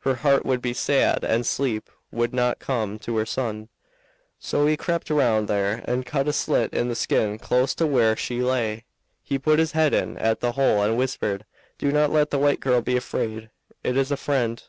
Her heart would be sad and sleep would not come to her soon, so he crept round there and cut a slit in the skin close to where she lay. He put his head in at the hole and whispered, 'Do not let the white girl be afraid; it is a friend.